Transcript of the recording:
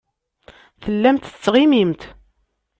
Tellamt tettɣimimt.